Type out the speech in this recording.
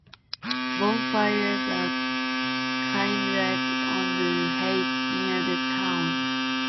Bonfires are kindled on the heights near the towns.